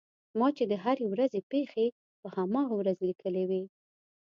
ما چې د هرې ورځې پېښې په هماغه ورځ لیکلې وې.